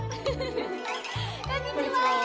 こんにちは！